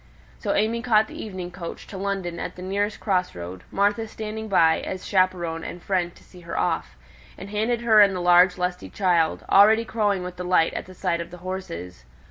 So AimÄe caught the evening coach to London at the nearest cross road, Martha standing by as chaperon and friend to see her off, and handing her in the large lusty child, already crowing with delight at the sight of the horses.